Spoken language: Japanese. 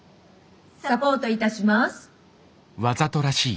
「サポートいたします」。